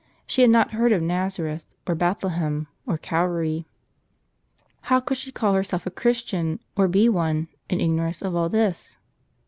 She had not heard of Nazareth, or Bethlehem, or Calvary. irrn How could she call herself a Christian, or be one, in ignorance of all this